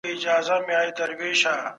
موږ باید په خپلو تولیداتو تکیه وکړو.